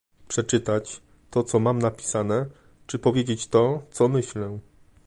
przeczytać, to co mam napisane, czy powiedzieć to, co myślę